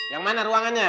yang mana ruangannya